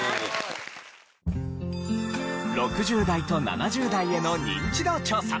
６０代と７０代へのニンチド調査。